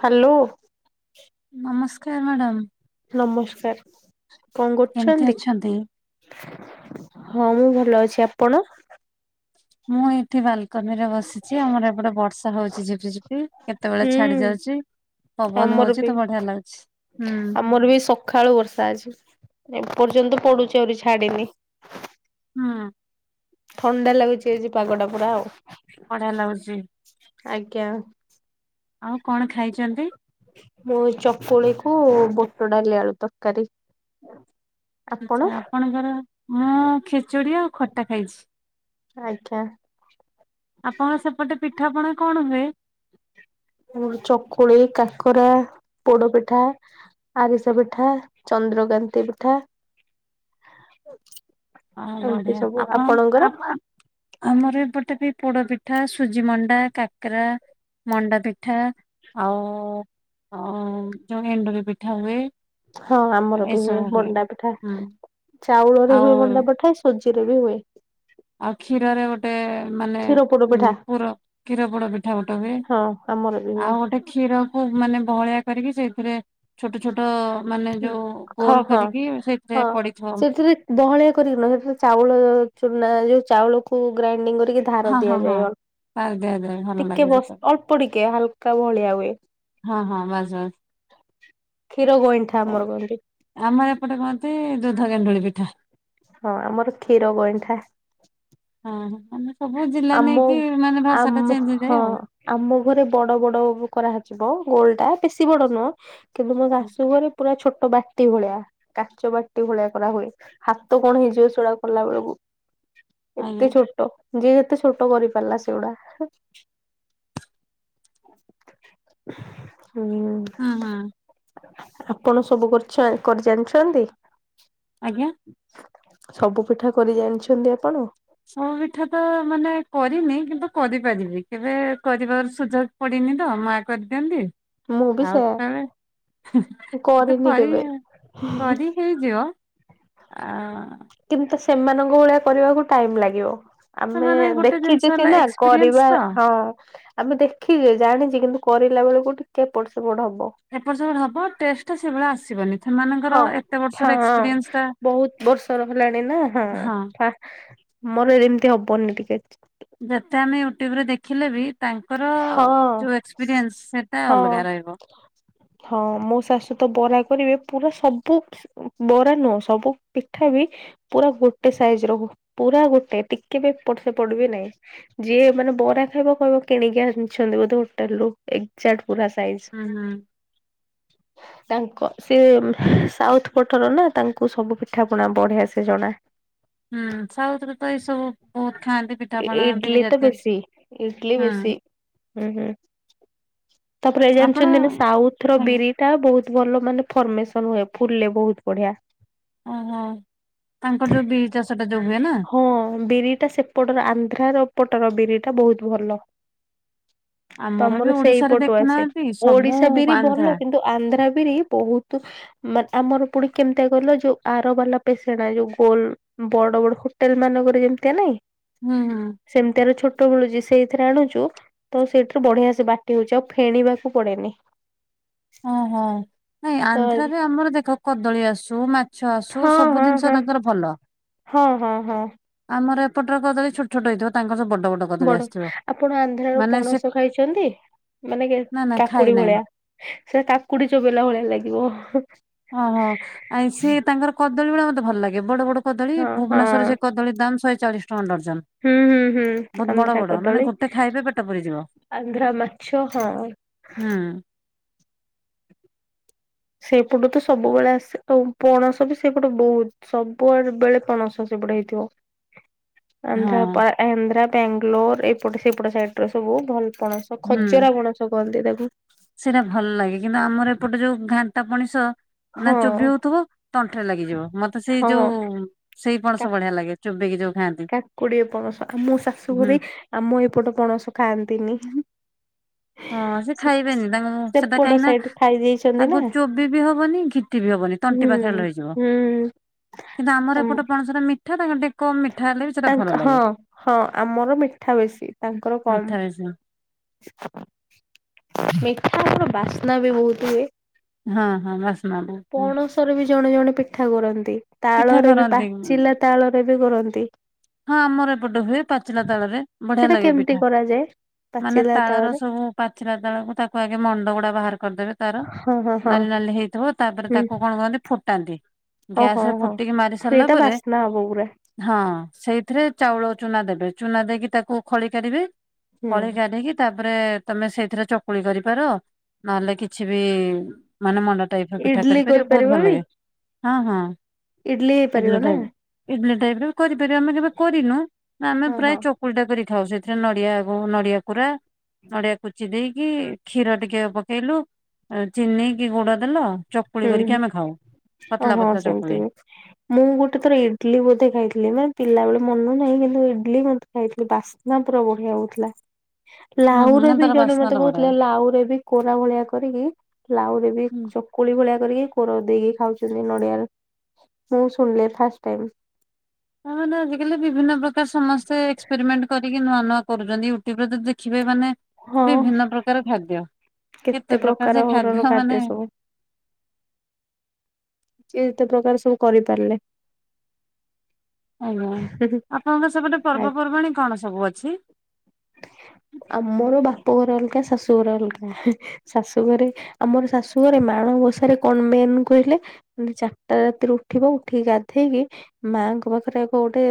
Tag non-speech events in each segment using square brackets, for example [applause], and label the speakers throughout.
Speaker 1: Hello.
Speaker 2: ନମସ୍କାର madam.
Speaker 1: ନମସ୍କାର। କଣ
Speaker 2: କେମିତି
Speaker 1: କରୁଚନ୍ତି?
Speaker 2: ଅଛନ୍ତି?
Speaker 1: ହଁ ମୁଁ ଭଲ ଅଛି। ଆପଣ?
Speaker 2: ମୁଁ ଏଇଠି ବାଲକୋନିରେ ବସିଚି ଆମର ଏପଟେ ବର୍ଷା ହଉଚି ଝିପିଝିପି କେତେବେଳେ ଛାଡି
Speaker 1: ହୁଁ
Speaker 2: ଯାଉଚି। ପବନ
Speaker 1: ଆମର
Speaker 2: ହଉଚି
Speaker 1: ବି
Speaker 2: ତ ବଢିଆ ଲାଗୁଛି। ହୁଁ।
Speaker 1: ଆମର ବି ସ ଖାଳୁ ବର୍ଷା ଅଛି ଏପର୍ଯ୍ୟନ୍ତ ପଡ଼ୁଚି ଆହୁରି ଛାଡିନି।
Speaker 2: ହୁଁ।
Speaker 1: ଥଣ୍ଡା ଲାଗୁଛି ଆଜି ପାଗଟା ପୁରା ଆଉ।
Speaker 2: ବଢିଆ ଲାଗୁଛି।
Speaker 1: ଆଜ୍ଞା।
Speaker 2: ଆଉ କଣ ଖାଇଚନ୍ତି?
Speaker 1: ମୁଁ ଚକୁଳିକୁ ବୁଟଡାଲି ଆଳୁ ତରକାରୀ। ଆପଣ?
Speaker 2: ଆଚ୍ଛା ଆପଣଙ୍କର? ମୁଁ ଖିଚୁଡ଼ି ଆଉ ଖଟା ଖାଇଛି।
Speaker 1: ଆଜ୍ଞା।
Speaker 2: ଆପଣଙ୍କ ସେପଟେ ପିଠାପଣା କଣ ହୁଏ?
Speaker 1: [unintelligible] ଚକୁଳି, କାକରା, ପୋଡପିଠା ଆରିଷା ପିଠା, ଚନ୍ଦ୍ରକାନ୍ତି ପିଠା ଏମିତି ସବୁ ଆପଣଙ୍କର?
Speaker 2: [unintelligible] ଆମର ଏପଟେ ବି ପୋଡପିଠା, ସୁଜିମଣ୍ଡା, କାକରା ମଣ୍ଡାପିଠା ଆଉ ଅଁ ଚଣି ଏଣ୍ଡୁରି ପିଠା ହୁଏ।
Speaker 1: ହଁ ଆମର ବି ହୁଏ ମଣ୍ଡାପିଠା।
Speaker 2: ହୁଁ
Speaker 1: ଚାଉଳରେ
Speaker 2: ଆଉ
Speaker 1: ହୁଏ ମଣ୍ଡା ପିଠା ସୁ ସୁଜିରେ ବି ହୁଏ।
Speaker 2: ଆଉ କ୍ଷୀରରେ ଗୋଟେ ମାନେ
Speaker 1: କ୍ଷୀର ପୋଡ
Speaker 2: ଉଁ
Speaker 1: ପିଠା
Speaker 2: ପୁର କ୍ଷୀର ପୋଡପିଠା ଗୋଟେ ହୁଏ।
Speaker 1: ହଁ ଆମର ବି। ହୁଏ
Speaker 2: ଆଉ ଗୋଟେ କ୍ଷୀରକୁ ମାନେ ବହଳିଆ କରିକି ସେଇଥିରେ ଛୋଟ ଛୋଟ ମାନେ ଯୋଉ
Speaker 1: ହଁ
Speaker 2: ଗୋଲ
Speaker 1: ହଁ
Speaker 2: କରିକି ସେଇଥିରେ
Speaker 1: ହଁ।
Speaker 2: ପଡିଥିବ।
Speaker 1: ସେଥିରେ ବହଳିଆ କରିକି ନୁହଁ ସେଥିରେ ଚାଉଳ ଚୁନା ଯୋଉ ଚାଉଳକୁ ଗ୍ରାଇଡିଙ୍ଗ କରିକି ଧାର
Speaker 2: ହଁ ହଁ ହଁ
Speaker 1: ଦିଆଯାଏ
Speaker 2: ପାରି ଦିଆଯାଏ ଭଲ
Speaker 1: ଅଳ୍ପ ଟିକେ
Speaker 2: ଲାଗେ ସେଟା
Speaker 1: ଅଳ୍ପ ଟିକେ ହାଲକା ଭଳିଆ ହୁଏ।
Speaker 2: ହଁ ହଁ ବାସ୍ ବାସ୍
Speaker 1: କ୍ଷୀର ଗଇଣ୍ଠା ଆମର କୁହନ୍ତି
Speaker 2: ଆମର ଏପଟେ କୁହନ୍ତି ଦୁଧ ଗେଣ୍ଡୁଳି ପିଠା
Speaker 1: ହଁ ଆମର କ୍ଷୀର ଗଇଣ୍ଠା
Speaker 2: ହଁ ମାନେ ସବୁ ଜିଲ୍ଲା
Speaker 1: ଆମ
Speaker 2: ନେଇକି ମାନେ ଭାଷା ଟା
Speaker 1: ଆମ
Speaker 2: ଚେଞ୍ଜ
Speaker 1: ହଁ
Speaker 2: ହେଇଯାଏ ଆଉ
Speaker 1: ଆମ ଘରେ ବଡ ବଡ କରାଯିବ ଗୋଲ ଟା ବେଶୀ ବଡ ନୁହଁ। କିନ୍ତୁ ମୋ ଶାଶୁ ଘରେ ପୁରା ଛୋଟ ବାଟି ଭଳିଆ। କାଚ ବାଟି ଭଳିଆ କରାହୁଏ ହାତ କଣ ହେଇଯିବ ସେଡାକୁ କଲା ବେଳକୁ।
Speaker 2: ଆଜ୍ଞା
Speaker 1: ଏତେ ଛୋଟ ଯିଏ ଯେତେ ଛୋଟ କରିପାରିଲା ସେଗୁଡ଼ା ହୁଁ। ହୁଁ।
Speaker 2: ହଁ ହଁ।
Speaker 1: ଆପଣ ସବୁ ପିଠା କରି ଜାଣିଛନ୍ତି।
Speaker 2: ଆଜ୍ଞା।
Speaker 1: ସବୁ ପିଠା କରି ଜାଣିଛନ୍ତି ଆପଣ।
Speaker 2: ସବୁ ପିଠା ତ ମାନେ କରିନି କିନ୍ତୁ କରିପାରିବି କେବେ କରିବାର ସୁଯୋଗ ପଡ଼ିନି ତ ମା କରିଦିଅନ୍ତି।
Speaker 1: ମୁଁ ବି
Speaker 2: ଆଉ
Speaker 1: ସେୟା
Speaker 2: କଳେ ହୁ ହୁ ଏ ତ
Speaker 1: କରିନି
Speaker 2: କରି
Speaker 1: କେବେ
Speaker 2: କରି ହେଇଯିବ ଆ
Speaker 1: କିନ୍ତୁ ସେମାନଙ୍କ ଭଳିଆ କରିବାକୁ ଟାଇମ୍ ଲାଗିବ। ଆମେ
Speaker 2: ସେମାନେ ଗୋଟେ ଜିନିଷ
Speaker 1: ଦେଖିଛେ
Speaker 2: ହେଲା
Speaker 1: ସିନା
Speaker 2: ଏକ୍ସପିରିଏନ୍ସ
Speaker 1: କରିବା
Speaker 2: ତ
Speaker 1: ହଁ। ଆମେ ଦେଖିଛେ ଜାଣିଛେ କିନ୍ତୁ କରିଲା ବେଳକୁ ଟିକେ ଏପଟ ସେପଟ ହବ।
Speaker 2: ଏପଟ ସେପଟ ହବ ଟେଷ୍ଟେ ସେଇଭଳିଆ ଆସିବନି।
Speaker 1: ହଁ
Speaker 2: ସେମାନଙ୍କର ଏତେ
Speaker 1: ହଁ
Speaker 2: ବର୍ଷର ଏକ୍ସପିରିଏନ୍ସ ଟା
Speaker 1: ବହୁତ ବର୍ଷ ହେଲାଣି ନା ହଁ। ମୋର ଏମିତି ହବନି ଟିକେ
Speaker 2: ଯେତେ ଆମେ ୟୁଟ୍ୟୁବ ରେ ଦେଖିଲେ ବି ତାଙ୍କର
Speaker 1: ହଁ
Speaker 2: ଯୋଉ ଏକ୍ସପିରିଏନ୍ସ ସେଟା
Speaker 1: ହଁ।
Speaker 2: ଅଲଗା ରହିବ।
Speaker 1: ହଁ ମୋ ଶାଶୁ ତ ବରା କରିବେ ପୁରା ସବୁ ବରା ନୁହଁ ସବୁ ପିଠା ବି ପୁରା ଗୋଟେ ସାଇଜିରେ ରୁହେ ପୁରା ଗୋଟେ ଟିକେ ବି ଏପଟ ସେପଟ ବି ନାହିଁ। ଯିଏ ମାନେ ବରା ଖାଇବା କହିବ କିଣିକି ଆଣିଛନ୍ତି ବୋଧେ ହୋଟେଲ ରୁ ଏଜାକ୍ଟ ପୁରା ସାଇଜ଼।
Speaker 2: ହୁଁ ହୁଁ [inaudible]
Speaker 1: ତାଙ୍କ ସିଏ ସାଉଥ୍ ପଟର ନା ତାଙ୍କୁ ସବୁ ପିଠା ପଣା ବଢିଆସେ ଜଣା।
Speaker 2: ହୁଁ ସାଉଥରେ ତ ଏଇସବୁ ବହୁତ ଖାଆନ୍ତି ପିଠାପଣା ବିରି
Speaker 1: ଇଡଲି ତ
Speaker 2: ଜାତି
Speaker 1: ବେଶୀ
Speaker 2: ଜିନିଷ
Speaker 1: ଇଡଲି ବେଶୀ
Speaker 2: ହୁଁ।
Speaker 1: ହୁଁ ହୁଁ ତାପରେ ଏ
Speaker 2: ଆପଣ
Speaker 1: ଜାଣିଛନ୍ତି ନା ସାଉଥ୍ ର
Speaker 2: ଆଜ୍ଞା
Speaker 1: ବିରି ଟି ବହୁତ ଭଲ ମାନେ ଫ୍ରମେସନ୍ ହୁଏ ଫୁଲେ ବହୁତ ବଢିଆ।
Speaker 2: ଓହୋ ତାଙ୍କର ଯେଉଁ ବିରି ଚାଷଟା ଯେଉଁ ହୁଏ ନା।
Speaker 1: ହଁ ବିରିଟା ସେ ଏପଟର ଆନ୍ଧ୍ରାର ଏପଟର ବିରି ଟା ବହୁତ ଭଲ।
Speaker 2: ଆମର ବି
Speaker 1: ତମର
Speaker 2: ଓଡିଶାରେ
Speaker 1: ସେଇପଟୁ ଆସେ
Speaker 2: ଦେଖୁନାହାନ୍ତି ସବୁ
Speaker 1: ଓଡିଶା ବିରି
Speaker 2: ଆନ୍ଧ୍ରା
Speaker 1: ଭଲ କିନ୍ତୁ ଆନ୍ଧ୍ର ବିରି ବହୁତ ମାନେ ଆମର ପୁଣି କେମିତିଆ କଇଲ ଯୋଉ ଆର ବାଲା ପେସେଣା ଯୋଉ ଗୋଲ୍ ବଡ଼ ବଡ଼ ହୋଟେଲ ମାନଙ୍କରେ ଯେମିତିଆ ନାଇଁ
Speaker 2: ହୁଁ ହୁଁ।
Speaker 1: ସେମିତିଆର ଛୋଟ ମିଳୁଚି ସେଇଥିରେ ଆଣୁଚୁ ଟୁ ତ ସେଇଠୁ ବଢିଆ ସେ ବାଟି ହଉଚି ଆଉ ଫେଣିବାକୁ ପଡ଼େନି।
Speaker 2: ଓହୋ ନାଇଁ
Speaker 1: ତ
Speaker 2: ଆନ୍ଧ୍ରରେ ଆମର ଦେଖ କଦଳୀ ଆସୁ ମା
Speaker 1: ହଁ ହଁ ହଁ।
Speaker 2: ଭଲ।
Speaker 1: ହଁ ହଁ ହଁ।
Speaker 2: ଆମର ଏପଟରେ କଦଳୀ ଛୋଟ ଛୋଟ ହେଇଥିବ ତାଙ୍କର ସବୁ ବଡ଼ ବଡ଼
Speaker 1: ବଡ ଆପଣ ଆନ୍ଧ୍ରରୁ ପଣସ ଖାଇଛନ୍ତି ମାନେ କି
Speaker 2: ନା ନା ଖାଇ
Speaker 1: କାକୁଡି
Speaker 2: ନାହିଁ
Speaker 1: ଭଳିଆ? ସେ କାକୁଡି ଚୋବେଇଲା ଭଳିଆ ଲାଗିବ।
Speaker 2: ଓହୋ ଆଉ ସିଏ ତାଙ୍କର କଦଳୀ ଗୁଡ଼ା ମତେ ଭଲ ଲାଗେ ବଡ଼ ବଡ଼ କଦଳୀ
Speaker 1: ହଁ
Speaker 2: ଭୁବନେଶ୍ୱରରେ
Speaker 1: ହଁ
Speaker 2: ସେ କଦଳୀ ଦାମ୍ ଶହେ ଚାଳିଶି ଟଙ୍କା ଡର୍ଜନ।
Speaker 1: ହୁଁ ହୁଁ ହୁଁ
Speaker 2: ବହୁତ ବଡ଼
Speaker 1: ଆନ୍ଧ୍ରା
Speaker 2: ବଡ଼ ମାନେ
Speaker 1: କଦଳୀ
Speaker 2: ଗୋଟେ ଖାଇବେ ପେଟ ପୁରିଯିବ।
Speaker 1: ଆନ୍ଧ୍ରା ମାଛ ହଁ।
Speaker 2: ହୁଁ
Speaker 1: ସେପଟୁ ତ ସବୁବେଳେ ଆସେ ଆଉ ପଣସ ବି ସେପଟୁ ବହୁତ ସବୁଆଡେ଼ ବେଳେ ପଣସ ସେପଟେ ହେଇଥିବ।
Speaker 2: [inaudible]
Speaker 1: ଆନ୍ଧ୍ର
Speaker 2: ହଁ
Speaker 1: ଆନ୍ଧ୍ରା ବାଙ୍ଗାଲୋର ଏପଟ ସେପଟ ସାଇଡରେ ସବୁ ଭଲ ପଣସ।
Speaker 2: ହୁଁ।
Speaker 1: ଖଜରା ପଣସ କନ୍ତି ତାକୁ।
Speaker 2: ସେଇଟା ଭଲ ଲାଗେ କିନ୍ତୁ ଆମର ଏପଟେ ଯୋଉ ଘାନ୍ତା ପଣସ ନା
Speaker 1: ହଁ
Speaker 2: ଚୋବ ହଉଥିବ ତଣ୍ଟିରେ ଲାଗିଯିବ ମତେ ସେଇ
Speaker 1: ହଁ
Speaker 2: ଯୋଉ ସେଇ
Speaker 1: କା
Speaker 2: ପଣସ ବଢିଆ ଲାଗେ। ଚୋବେଇକି ଯୋଉ ଖାଆନ୍ତି।
Speaker 1: କାକୁଡି ପଣସ ଆମ
Speaker 2: ହୁଁ
Speaker 1: ଶାଶୁଘରେ ଆମ ଏପଟ ପଣସ ଖାଆନ୍ତିନି।
Speaker 2: ହଁ ସେ ଖାଇବେନି ତାଙ୍କଁ ସେଟା
Speaker 1: ସେପଟ
Speaker 2: କାହିଁକି ନା
Speaker 1: ସାଇଡ ଖାଇ ଦେଇଛନ୍ତି ନା
Speaker 2: ତାକୁ ଚୋବି ବି ହବନି ଘିଟି ବି ହବନି ତଣ୍ଟି
Speaker 1: ହୁଁ
Speaker 2: ପାଖେ ରହିଯିବ।
Speaker 1: ହୁଁ
Speaker 2: କିନ୍ତୁ ଆମର
Speaker 1: ଆମ
Speaker 2: ଏପଟେ ପଣସଟା ମି ମିଠା ତାଙ୍କ ଟିକେ କମ୍ ମିଠା ହେଲେ ବି ସେଟା ଭଲ
Speaker 1: ତାଙ୍କ ହଁ
Speaker 2: ଲାଗେ
Speaker 1: ହଁ ଆମର ମିଠା ବେଶୀ ତାଙ୍କର କମ
Speaker 2: ମିଠା ବି ସେ
Speaker 1: ମିଠା ଆର ବାସ୍ନା ବି ବହୁତ ହୁଏ।
Speaker 2: ହଁ ହଁ ବାସ୍ନା ବହୁତ୍ ଇଏ
Speaker 1: ଗରେ ବି ଜଣେ ଜଣେ ପିଠା କରନ୍ତି
Speaker 2: ପିଠା
Speaker 1: ତାଳରେ ବି
Speaker 2: କରନ୍ତି।
Speaker 1: ପାଚିଲା ତାଳରେ ବି କରନ୍ତି।
Speaker 2: ହଁ ଆମର ଏପଟେ ହୁଏ ପାଚିଲା ତାଳରେ ବଢିଆ
Speaker 1: ସେଟା
Speaker 2: ଲାଗେ
Speaker 1: କେମିତି
Speaker 2: ପିଠା
Speaker 1: କରାଯାଏ
Speaker 2: ମାନେ
Speaker 1: ପାଚିଲା
Speaker 2: ତାଳର
Speaker 1: ତାଳରେ
Speaker 2: ସବୁ ପାଚିଲା ତାଳ ତାକୁ ଆଗେ ମଣ୍ଡ ଗୁଡା ବାହାର କରିଦେବେ। ତାର
Speaker 1: ହଁ ହଁ ହଁ
Speaker 2: ନାଲି ନାଲି ହେଇଥିବ ତାପରେ
Speaker 1: ହୁଁ
Speaker 2: ତାକୁ କଣ କରନ୍ତି ଫୁଟାନ୍ତି।
Speaker 1: ହଉ ହଁ
Speaker 2: ଗ୍ୟାସରେ
Speaker 1: ହଁ
Speaker 2: ଫୁଟିକି ମାରି ସାରିଲା
Speaker 1: ସେଇଟା
Speaker 2: ପରେ।
Speaker 1: ବାସ୍ନା ହବ ପୁରା
Speaker 2: ହଁ ସେଇଥିରେ ଚାଉଳ ଚୁନା ଦେବେ ଚୁନା ଦେଇକି ତାକୁ ଖଳି କରିବେ।
Speaker 1: ହୁଁ।
Speaker 2: [inaudible] ତାପରେ ତମେ ସେଇଥିରେ ଚକୁଳି କରିପାର ନହେଲେ କିଛି ବି ମାନେ ମଣ୍ଡ ପିଠା
Speaker 1: ଇଡଲି
Speaker 2: କରିପାରିବ ବହୁତ ଭଲ
Speaker 1: ବି
Speaker 2: ଲାଗେ। ହଁ ହଁ
Speaker 1: ହେଇପାରିବ
Speaker 2: ଇଡଲି
Speaker 1: ନା
Speaker 2: ଟାଇପ ଟାଇପର ବି କରି ସେ ଆମେ କେବେ କରିନୁ ନା ଆମେ
Speaker 1: ହଁ
Speaker 2: ପ୍ରାୟ
Speaker 1: ହଁ।
Speaker 2: ଚକୁଳିଟା କରିଥାଉ ସେଥିରେ ନଡିଆ ନଡିଆ କୋରା। ନଡିଆ କୁଚି ଦେଇକି କ୍ଷୀର ଟିକେ ପକେଇଲୁ ଚିନି କିି ଗୁଡ ଦେଲ। ଚକୁଳି
Speaker 1: ହୁଁ
Speaker 2: କରିକି
Speaker 1: ହୁଁ
Speaker 2: ଆମେ ଖାଉ
Speaker 1: ଓ
Speaker 2: ପତଲା
Speaker 1: ହଁ
Speaker 2: ପତଲା
Speaker 1: ସେମିତି
Speaker 2: ଚକୁଳି।
Speaker 1: ବି ମୁଁ ଗୋଟେ ତୋର ଇଡଲି ବୋଧେ ଖାଇଥିଲି ମାନେ ପିଲାବେଳେ ମନ ନାହିଁ କିନ୍ତୁ ଇଡଲି ବୋଧେ ଖାଇଥିଲି ବାସି ନା ପୁରା ବଢିଆ ହଉଥିଲା।
Speaker 2: ହୁଁ ହୁଁ
Speaker 1: ଲାଉରେ
Speaker 2: ନା
Speaker 1: ବି
Speaker 2: ତାର
Speaker 1: ଜଣେ
Speaker 2: ବାସ୍ନା
Speaker 1: ମତେ
Speaker 2: ଟା ବଢିଆ
Speaker 1: କହୁଥିଲେ ଲାଉ ରେ ବି କୋରା ଭଳିଆ କରିକି ଲାଉରେ ବି
Speaker 2: ହୁଁ।
Speaker 1: କୋଳି ଭଳିଆ କରିକି କୋର ଦେଇକି ଖାଉଛନ୍ତି ନଡ଼ିଆରେ ମୁଁ ଶୁଣିଲି ଫାଷ୍ଟ ଟାଇମ୍।
Speaker 2: ହ ମାନେ ଆଜିକାଲି ବିଭିନ୍ନ ପ୍ରକାର ସମସ୍ତେ ଏକ୍ସପେରିମେଣ୍ଟ୍ କରିକି ନୂଆ ନୂଆ କରୁଛନ୍ତି ୟୁଟ୍ୟୁବ୍ ରେ ତ ଦେଖିବେ ମାନେ
Speaker 1: ହଁ
Speaker 2: ବିଭିନ୍ନ ପ୍ରକାର ଖାଦ୍ୟ କେତେ ପ୍ରକାର ଯେ ଖାଦ୍ୟ ମାନେ
Speaker 1: ଯିଏ ଯେତେ ପ୍ରକାର ସବୁ କରିପାରିଲେ।
Speaker 2: ଆଜ୍ଞା
Speaker 1: ହୁଁ ହୁଁ।
Speaker 2: ଆପଣଙ୍କ ସେପଟ ପର୍ବପର୍ବାଣିୀ କଣ ସବୁ ଅଛି?
Speaker 1: ଆମର ବାପ ଘର ଅଲଗା ଶାଶୁଘର ଅଲଗା। ଶାଶୁଘରେ ଆମର ଶାଶୁଘରେ ମାଣ ବସାରେ କଣ ମେନ୍ କହିଲେ ମାନେ ଚାରିଟା ରାତିରୁ ଉଠିବ ଉଠିକି ଗାଧେଇକି ମାଙ୍କ ପାଖରେ ଆଗ ଗୋଟେ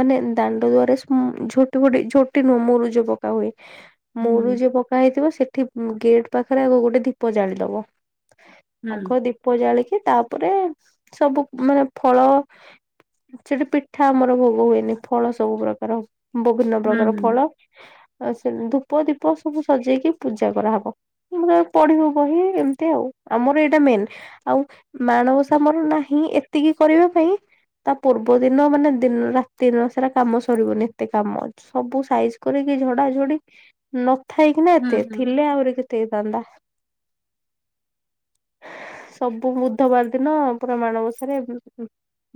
Speaker 1: ମାନେ ଦାଣ୍ଡ ଦୁଆରେ ଝୋଟି ଫୋଟି ଝୋ କି ମୁଁ ମୁରୁଜ ପକା ହୁଏ
Speaker 2: ହୁଁ
Speaker 1: ମୁରୁଜ ପ କା ହେଇଥିବ ସେଠି ଗେଟ୍ ପାଖରେ ଆଗ ଗୋଟେ ଦୀପ ଜାଳିଦବ
Speaker 2: ହୁଁ
Speaker 1: ଆଗ ଦୀପ ଦ୍ବୀପ ଜାଳିକି ତାପରେ ସବୁ ମାନେ ଫଳ ସେଠି ପିଠା ଆମର ଭୋଗ ହୁଏନି ଫଳ ସବୁ ପ୍ରକାର ବିଭିନ୍ନ
Speaker 2: ହୁଁ
Speaker 1: ପ୍ରକାର।
Speaker 2: ହୁଁ।
Speaker 1: ଆ ସେ ଧୂପ ଦୀପ ସବୁ ସଜେଇକି ପୂଜା କରାହେବ। ପଢିବୁ ବହି ଏମିତି ଆଉ ଆମର ଏଇଟା ମେନ୍। ଆଉ ମାଣ ଓସା ଆମର ନାହିଁ ଏତିକି କରିବା ପାଇଁ। ତା ପୂର୍ବ ଦିନ ମାନେ ଦିନ ରାତି ସାରା କାମ ସରିବନି ଏତେ କାମ ଅ ସବୁ ସାଇଜ୍ କରିକି ଝଡା ଝଡି ନଥାଇକିନା
Speaker 2: ହୁଁ
Speaker 1: ଏତେ
Speaker 2: ହୁଁ
Speaker 1: ଥିଲେ ଆହୁରି କେତେ ହେଇଥାନ୍ତା। ସବୁ ବୁଧବାର ଦିନ ପୁର ମାଣବସାରେ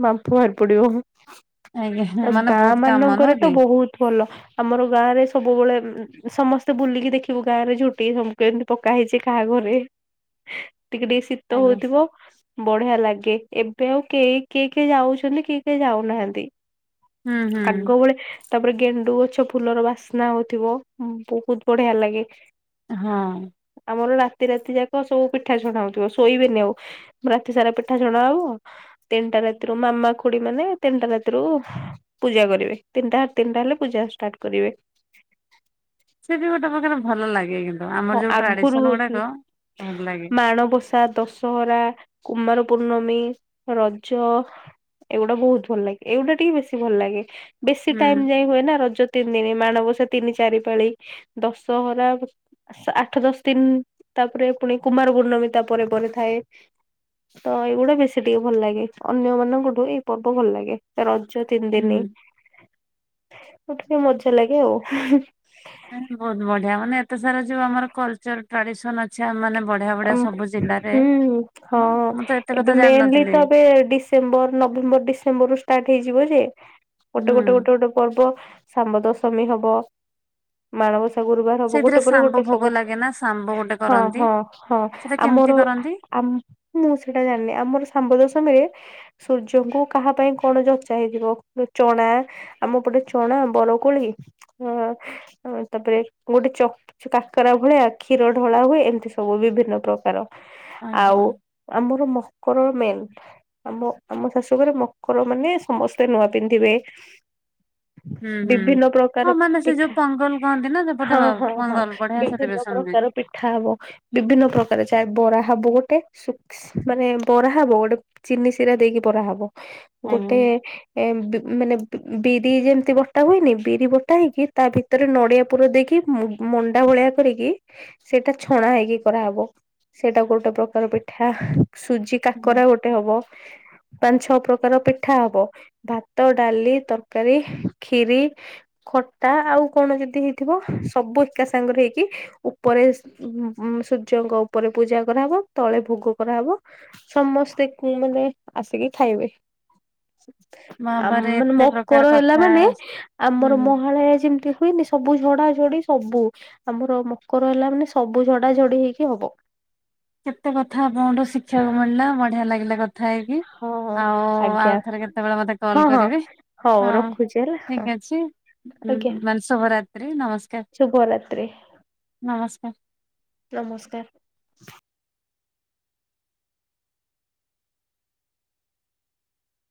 Speaker 1: ବାପୁ ବାହାରି ପଡିବ
Speaker 2: ଆଜ୍ଞା
Speaker 1: ଆଉ
Speaker 2: ମାନେ ବହୁତ
Speaker 1: ଗାଁ
Speaker 2: କାମ ନୁହଁ
Speaker 1: ମାନଙ୍କରେ ତ
Speaker 2: କି
Speaker 1: ବହୁତ୍ ଭଲ। ଆମର ଗାଁ ରେ ସବୁବେଳେ ସମସ୍ତେ ବୁଲିକି ଦେଖିବୁ ଗାଁ ରେ ଝୋଟିବୁ କେ ପକା ହେଇଛି କାହାଘରେ ଟିକେ ଟିକେ ଶୀତ
Speaker 2: ଆଜ୍ଞା
Speaker 1: ହଉଥିବ ବଢିଆ ଲାଗେ ଏବେ ଆଉ କେଇ କିଏ କିଏ ଯାଉଛନ୍ତି କିଏ କେହି ଯାଉନାହାନ୍ତି।
Speaker 2: ହୁଁ ହୁଁ।
Speaker 1: ଆଗ ବଳେ ତାପରେ ଗେଣ୍ଡୁ ଗଛ ଫୁଲର ବାସ୍ନା ହଉଥିବ ବହୁତ୍ ବଢିଆ ଲାଗେ।
Speaker 2: ହଁ।
Speaker 1: ଆମର ରାତି ରାତି ଯାକ ସବୁ ପିଠା ଛଣାହଉଥିବ ଶୋଇବେନି ଆଉ। ରାତି ସାରା ପିଠା ଛଣାହବ ତିନିଟା ରାତିରୁ ମାମା ଖୁଡି ମାନେ ତିନିଟା ରାତିରୁ ପୂଜା କରିବେ ତିନିଟା ସାତିନିଟା ହେଲେ ପୂଜା ଷ୍ଟାର୍ଟ କରିବେ।
Speaker 2: ସେ ବି ଗୋଟେ ପ୍ରକାର ଭଲ ଲାଗେ କିନ୍ତୁ। ଆମର
Speaker 1: ହଁ
Speaker 2: ଯୋଉ
Speaker 1: ଆଗରୁ
Speaker 2: ଟ୍ରାଡିସନ ଗୁଡାକ
Speaker 1: ହଉଥିଲା
Speaker 2: ଭଲ ଲାଗେ
Speaker 1: ମାଣବସା ଦଶ ସହରା କୁମାର ପୂର୍ଣ୍ଣମୀ ରଜ ଏଇଗୁଡା ବହୁତ୍ ଭଲ ଲାଗେ ଏଇଗଟା ଟିକେ ବେଶୀ ଭଲ ଲାଗେ। ବେଶୀ
Speaker 2: ହୁଁ
Speaker 1: ଟାଇମ୍ ଯାଏ ହୁଏନା ରଜ ତିନି ଦିନ ମାଣବସା ତିନି ଚାରି ପାଳି ଦଶହରା ଆଠ ଦଶ ଦିନି ତାପରେ ପୁଣି କୁମାର ପୂର୍ଣ୍ଣମୀ ତା ପରେରେ ପରେ ଥାଏ ତ ଏଇଗୁଡା ବେଶୀ ଟିକେ ଭଲ ଲାଗେ ଅନ୍ୟ ମାନଙ୍କଠୁ ଏଇ ପର୍ବ ଭଲ ଲାଗେ। ରଜ ତିନି
Speaker 2: ହୁଁ।
Speaker 1: ଦିନି ମ ଟିକେ ମଜା ଲାଗେ ଆଉ।
Speaker 2: ବହୁତ୍ ବଢିଆ ମାନେ ଏତେ ସାରା ଯୋଉ ଆମର କଲ୍ଚର୍ ଟ୍ରାଡିସନ୍ ଅଛି ମାନେ ବଢି
Speaker 1: ହୁଁ ହଁ
Speaker 2: ମୁଁ ତ ଏତେ କଥା
Speaker 1: ଏବେ ମେନ୍ ଲି
Speaker 2: ଜାଣିନଥିଲି
Speaker 1: ତ ଏବେ ଡି ଡିସେମ୍ବର ନଭେମ୍ବର ଡିସେମ୍ବରରୁୁ ଷ୍ଟାର୍ଟ ହେଇଯିବ ଯେ ଗୋଟେ
Speaker 2: ହୁଁ
Speaker 1: ଗୋଟେ ଗୋଟେ ଗୋଟେ ପର୍ବ ଶାମ୍ବ ଦଶମୀ ହବ ମାଣବସା ଗରୁବାର୍ ହବ
Speaker 2: ସେଇଥିରେ
Speaker 1: ଗୋଟେ ପରେ
Speaker 2: ଶାମ୍ବ
Speaker 1: ଗୋଟେ
Speaker 2: ଭୋଗ
Speaker 1: ସବୁ
Speaker 2: ଲାଗେ ନା ଶାମ୍ବ ଗୋଟେ
Speaker 1: ହଁ-
Speaker 2: କରନ୍ତି
Speaker 1: ହଁ- ହଁ
Speaker 2: ସେଟା କେମିତି
Speaker 1: ଆମର
Speaker 2: କରନ୍ତି
Speaker 1: ଆ- ମୁଁ ସେଇଟା ଜାଣିନି ଆମର ଶାମ୍ବ ଦଶମୀ ରେ ସୂର୍ଯ୍ୟଙ୍କୁ କାହା ପାଇଁ କଣ ଯଚା ହେଇଥିବ ଯଉ ଚଣା ଆମ ପଟେ ଚଣା, ବରକୋଳି ହଁ - ଆଁ -ତାପରେ ଗୋଟେ ଚ- କାକେରା ଭଳିଆ କ୍ଷୀର ଢଳା ହୁଏ ଏମିତି। ସବୁ ବିଭିନ୍ନ ପ୍ରକାର
Speaker 2: ଓହୋ
Speaker 1: ଆଉ ଆମର ମକର ମେନ୍। ଆମ -ଆମ ଶାଶୁଘରେ ମକର ମାନେ ସମସ୍ତେ ନୂଆ ପିନ୍ଧିବେ।
Speaker 2: ହୁଁ ହୁଁ
Speaker 1: ବିଭିନ୍ନ
Speaker 2: ହଁ
Speaker 1: ପ୍ରକାର
Speaker 2: ମାନେ ସେ ଯୋଉ
Speaker 1: ପିଠା
Speaker 2: ପଙ୍ଗଲ କହନ୍ତି ନା ସେପଟେ
Speaker 1: ହଁ- ହଁ -ହଁ
Speaker 2: ପଙ୍ଗଲ ବଢିଆ
Speaker 1: ବିଭିନ୍ନ
Speaker 2: ସେଲିବ୍ରେସନ ହୁଏ
Speaker 1: ପ୍ରକାର ପିଠା ହବ ବିଭିନ୍ନ ପ୍ରକାର ଚା- ବରା ହବ ଗୋଟେ ଶୁଖ୍ ମାନେ ବରା ହବ ଗୋଟେ ଚିନି ସିରା ଦେଇକି ବରା ହବ
Speaker 2: ଆଜ୍ଞା
Speaker 1: ଗୋଟେ ଏ ବି-ମାନେ ବି-ବିରି ଯେମିତି ବଟା ହୁଏନି ବିରି ବଟା ହେଇକି ତା ଭିତରେ ନଡ଼ିଆ ପୁର ଦେଇକି ମଣ୍ଡା ଭଳିଆ କରିକି ସେଇଟା ଛଣା ହେଇକି କରାହବ ସେଇଟା ଗୋଟେ ପ୍ରକାର ପିଠା ସୁଜି
Speaker 2: ହୁଁ
Speaker 1: କାକରା ଗୋଟେ ହବ ପାଞ୍ଚ ଛଅ ପ୍ରକାର ପିଠା ହବ ଭାତ, ଡାଲି, ତରକାରୀ, ଖିରି ଖଟା ଆଉ କଣ ଯଦି ହେଇଥିବ ସବୁ ଏକା ସାଙ୍ଗେରେ ହେଇକି ଉପରେ ଉଁ- ସୂର୍ଯ୍ୟଙ୍କ ଉପରେ ପୂଜା କରାହବ ତଳେ ଭୋଗ କରାହବ ସମସ୍ତେ ଙ୍କୁ ମାନେ ଆସିକି ଖାଇବେ। ଆମ
Speaker 2: ଭାବରେ
Speaker 1: ମାନେ
Speaker 2: ଏତେ ପ୍ରକାର
Speaker 1: ମକର ହେଲା
Speaker 2: କଥା
Speaker 1: ମାନେ
Speaker 2: ହୁଁ
Speaker 1: ଆମର
Speaker 2: ହୁଁ
Speaker 1: ମହାଳୟା ଯେମିତି ହୁଏନି ସବୁ ଝଡା ଝଡି ସବୁ ଆମର ମକର ହେଲା ମାନେ ସବୁ ଝଡାଝଡି ହେଇକି ହବ।
Speaker 2: କେତେ କଥା ଆପଣଙ୍କଠୁ ଶିଖିବାକୁ ମିଳିଲା ବଢିଆ ଲାଗିଲା କଥା ହେଇକି
Speaker 1: ହଁ ହଁ
Speaker 2: ଆଉ-
Speaker 1: ଆଜ୍ଞା
Speaker 2: ଆଉ ଥରେ କେତେବେଳେ ମତେ କଲ୍
Speaker 1: ହଁ ହଁ
Speaker 2: କରିବେ
Speaker 1: ହଉ
Speaker 2: ହଁ
Speaker 1: ରଖୁଛି ହେଲା
Speaker 2: ଠିକ୍
Speaker 1: ହଁ
Speaker 2: ଅଛି।
Speaker 1: ଆଜ୍ଞା
Speaker 2: ମାନେ ଶୁଭରାତ୍ରି ନମସ୍କାର୍।
Speaker 1: ଶୁଭରାତ୍ରି
Speaker 2: ନମସ୍କାର।
Speaker 1: ନମସ୍କାର୍।